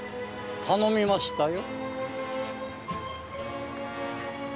頼みましたよ。